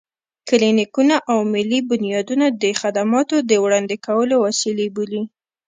کلينيکونه او ملي بنيادونه د خدماتو د وړاندې کولو وسيلې بولو.